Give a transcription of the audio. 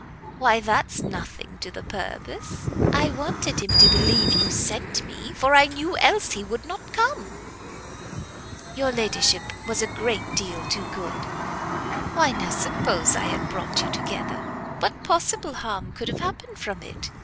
"Why that's nothing to the purpose; I wanted him to believe you sent me, for I knew else he would not come." "Your ladyship was a great deal too good!" "Why now suppose I had brought you together, what possible harm could have happened from it?